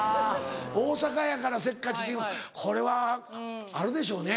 大阪やからせっかちというこれはあるでしょうね。